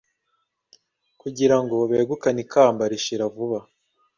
kugira ngo begukane ikamba rishira vuba,